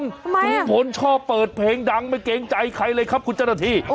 ลุงพลชอบเปิดเพลงดังไม่เกรงใจใครเลยครับคุณเจ้าหน้าที่